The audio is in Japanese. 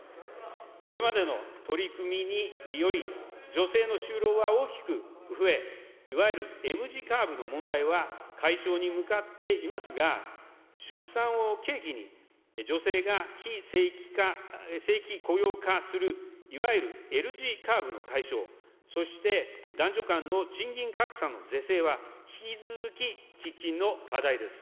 これまでの取り組みにより、女性の就労は大きく増え、いわゆるＭ字カーブの問題は解消に向かっていますが、出産を契機に、女性が非正規雇用化する、いわゆるＬ字カーブの解消、そして男女間の賃金格差の是正は、引き続き喫緊の課題です。